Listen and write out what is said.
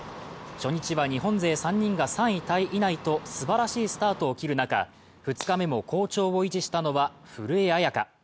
初日は日本勢３人が３位タイ以内とすばらしいスタートを切る中、２日目も好調を維持したのは古江彩佳。